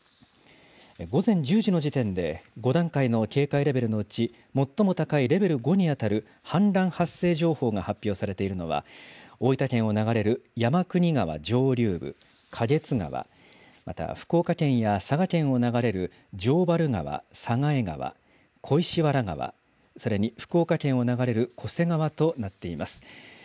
午前１０時の時点で５段階の警戒レベルのうち、最も高いレベル５に当たる氾濫発生情報が発表されているのは、大分県を流れる山国川上流部、花月川、また福岡県や佐賀県を流れる城原川、佐賀江川、小石原川、それに福岡県を流れる巨瀬川となっています。